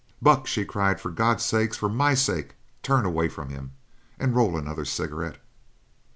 "Buck!" she cried, "for God's sake for my sake turn away from him and roll another cigarette!"